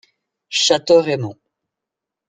Château Raymond.